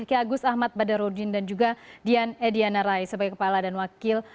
ki agus ahmad badarudin dan juga dian ediana rai sebagai kepala dan wakil